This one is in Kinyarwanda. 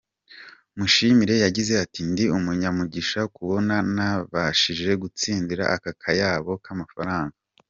Mushimire yagize ati” Ndi umunyamugisha kubona nabashije gutsindira aka kayabo k’amafaranga.